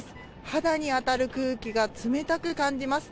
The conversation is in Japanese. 肌に当たる空気が冷たく感じます。